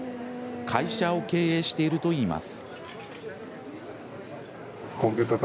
会社を経営しているといいます。